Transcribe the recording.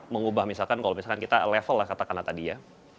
mengubah misalkan kalau misalkan kita level lah katakanlah tadi ya